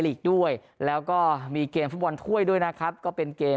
ลีกด้วยแล้วก็มีเกมฟุตบอลถ้วยด้วยนะครับก็เป็นเกม